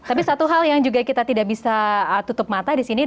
tapi satu hal yang juga kita tidak bisa tutup mata di sini